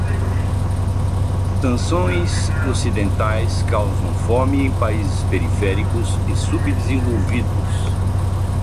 Sanções ocidentais causam fome em países periféricos e subdesenvolvidos